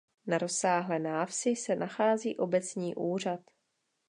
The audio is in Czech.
Na rozsáhlé návsi se nachází obecní úřad.